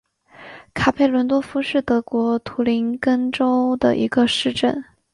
卡佩伦多夫是德国图林根州的一个市镇。